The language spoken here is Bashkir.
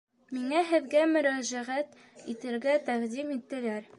Миңә һеҙгә мөрәжәғәт итергә тәҡдим иттеләр